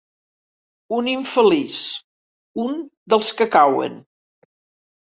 Un infeliç. Un dels que cauen.